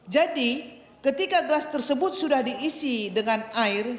jadi ketika gelas tersebut sudah diisi dengan air